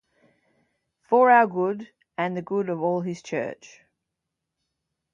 for our good, and the good of all his Church.